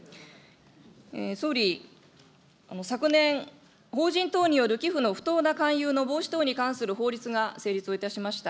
総理、昨年、法人等による寄付の不当な勧誘の防止等に関する法律が成立をいたしました。